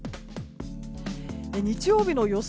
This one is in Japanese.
日曜日の予想